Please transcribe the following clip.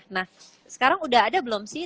nah sekarang udah ada belum sih